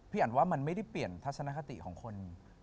อันว่ามันไม่ได้เปลี่ยนทัศนคติของคน